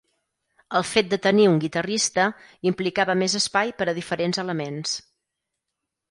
El fet de tenir un guitarrista implicava més espai per a diferents elements.